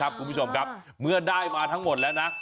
คุณผู้ชมครับเมื่อได้มาทั้งหมดแล้วนะ